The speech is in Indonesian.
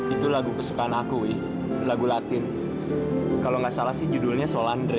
itu lagu kesukaan aku ya lagu latin kalau nggak salah sih judulnya solandre